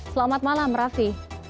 selamat malam raffi